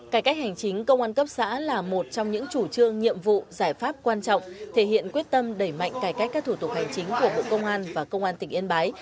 cải cách hành chính công an cấp xã là một trong những chủ trương nhiệm vụ giải pháp quan trọng thể hiện quyết tâm đẩy mạnh cải cách các thủ tục hành chính của bộ công an và công an tỉnh yên bái